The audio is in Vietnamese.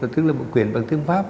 tức là một quyển bằng tiếng pháp